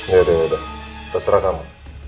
yaudah yaudah terserah kamu